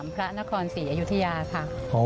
พระนครศรีอยุธยาค่ะ